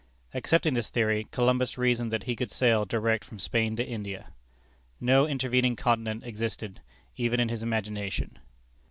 Accepting this theory, Columbus reasoned that he could sail direct from Spain to India. No intervening continent existed even in his imagination.